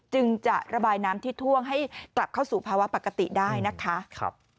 จึงจะระบายน้ำที่ท่วมให้กลับเข้าสู่ภาวะปกติได้นะคะ